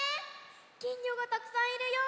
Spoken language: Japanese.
きんぎょがたくさんいるよ。